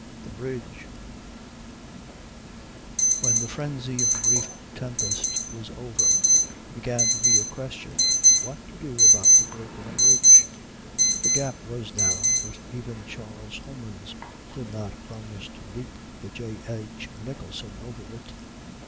THE BRIDGE When the frenzy of the brief tempest was over, it began to be a question, "What to do about the broken bridge?" The gap was narrow; but even Charles Homans could not promise to leap the "J. H. Nicholson" over it.